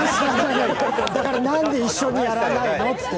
だからなんで一緒にやらないの？って。